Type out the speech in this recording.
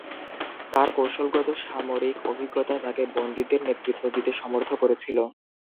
তার কৌশলগত সামরিক অভিজ্ঞতা তাকে বন্দিদের নেতৃত্ব দিতে সমর্থ করেছিল।